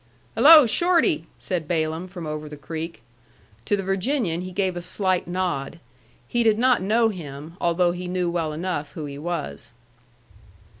"Hello, Shorty!" said Balaam, from over the creek. To the Virginian he gave a slight nod. He did not know him, although he knew well enough who he was.